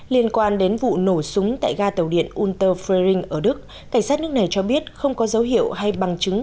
liên quan đến vụ nổ súng tại ga tàu điện unter freing ở đức cảnh sát nước này cho biết không có dấu hiệu hay bằng chứng